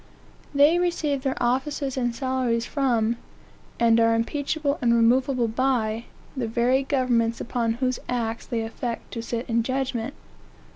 They receive their offices and salaries from, and are impeachable and removable by, the very governments upon whose acts they affect to sit in judgment.